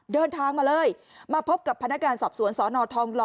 เดินทางมาเลยมาพบกับพนักงานสอบสวนสนทองหล่อ